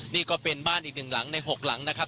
นี่ก็เป็นบ้านอีกหนึ่งหลังใน๖หลังนะครับ